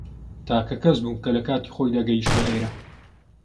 تاکە کەس بووم کە لە کاتی خۆیدا گەیشتمە ئێرە.